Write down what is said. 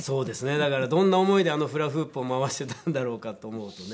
だからどんな思いであのフラフープを回してたんだろうかと思うとね。